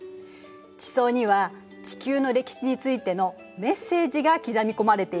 地層には地球の歴史についての「メッセージ」が刻み込まれているの。